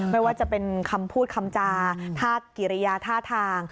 ไม่ว่าจะเป็นคำพูดคำจาธาตุกิริยาท่าทาง